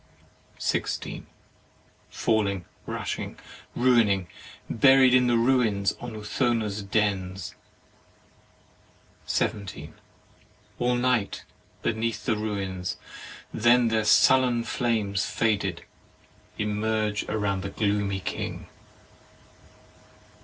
16. Falling, rushing, ruining; buried in the ruins, on Urthona's dens. 17. All night beneath the ruins; then their sullen flames, faded, emerge round the gloomy king.